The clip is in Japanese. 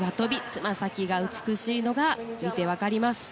つま先が美しいのが見て分かります。